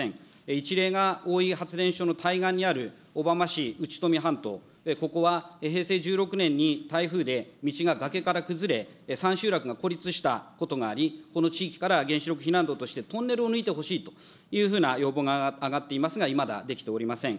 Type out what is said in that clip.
一例が大飯発電所の対岸にある小浜市うちとみ半島、ここは平成１６年に台風で道が崖から崩れ、３集落が孤立したこともあり、この地域から原子力避難道としてトンネルを抜いてほしいというふうな要望が上がっていますが、いまだ出来ておりません。